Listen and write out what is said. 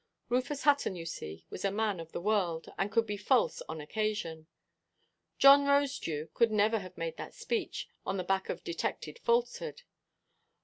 Rufus Hutton, you see, was a man of the world, and could be false "on occasion." John Rosedew could never have made that speech on the back of detected falsehood.